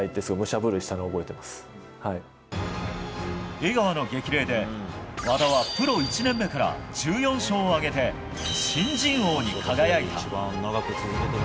江川の激励で和田は、プロ１年目から１４勝を挙げて新人王に輝いた。